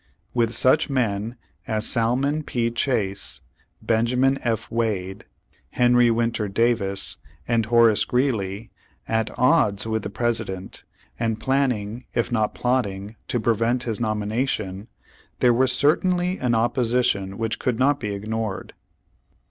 With such men as Salmon P. Chase, Benjamin F. Wade, Henry Winter Davis, and Horace Greeley, at odds with the President, and planning if not plotting to prevent his nomination, there was certainly an opposition which could not be ignored.